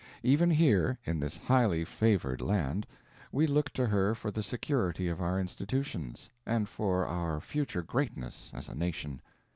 Even here, in this highly favored land, we look to her for the security of our institutions, and for our future greatness as a nation.